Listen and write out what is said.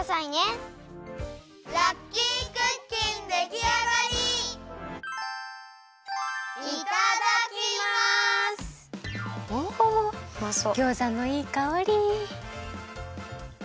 ギョーザのいいかおり。